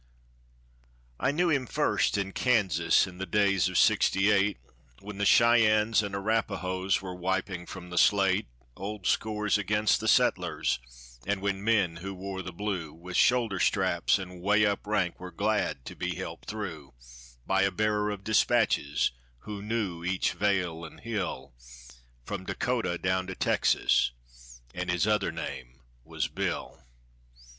I knew him first in Kansas in the days of '68, When the Cheyennes and Arapahoes were wiping from the slate Old scores against the settlers, and when men who wore the blue, With shoulder straps and way up rank, were glad to be helped through By a bearer of dispatches, who knew each vale and hill From Dakota down to Texas, and his other name was Bill.